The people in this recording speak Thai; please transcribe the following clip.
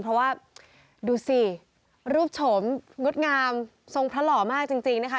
เพราะว่าดูสิรูปโฉมงดงามทรงพระหล่อมากจริงนะคะ